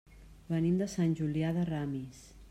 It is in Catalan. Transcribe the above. Venim de Sant Julià de Ramis.